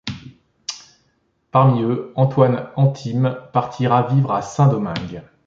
Parmi eux, Antoine Anthime partira vivre à Saint-Domingue.